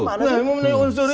saya ini pengacara egy sujaid